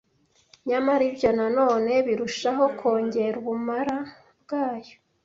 nyamara ibyo na none birushaho kongera ubumara bwayo